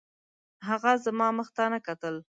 هغه زما مخ ته نه کتل